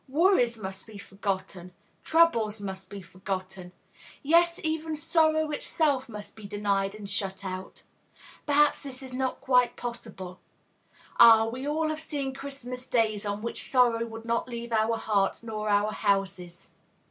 Worries must be forgotten. Troubles must be forgotten. Yes, even sorrow itself must be denied and shut out. Perhaps this is not quite possible. Ah! we all have seen Christmas days on which sorrow would not leave our hearts nor our houses.